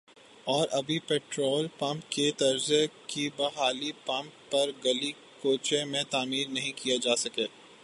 اور ابھی petrol pump کی طرز کے بجلی پمپ ہر گلی کوچے میں تعمیر نہیں کئے جاسکے